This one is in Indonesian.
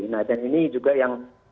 nah dan ini juga yang